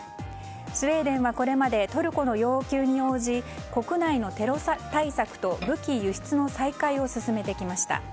スウェーデンはこれまでトルコの要求に応じ国内のテロ対策と武器輸出の再開を進めてきました。